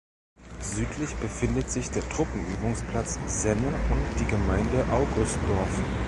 Südlich befindet sich der Truppenübungsplatz Senne und die Gemeinde Augustdorf.